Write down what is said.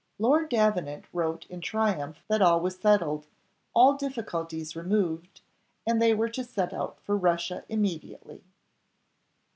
Lord Davenant wrote in triumph that all was settled, all difficulties removed, and they were to set out for Russia immediately.